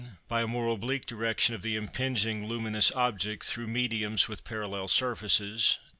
By a more oblique direction of the impinging luminous object through mediums with parallel surfaces.